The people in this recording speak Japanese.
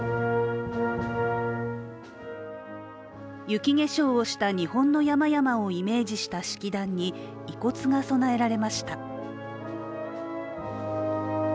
雪化粧をした日本の山々をイメージした式壇に遺骨が供えられました。